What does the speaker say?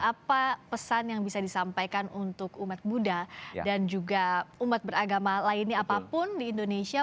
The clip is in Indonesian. apa pesan yang bisa disampaikan untuk umat buddha dan juga umat beragama lainnya apapun di indonesia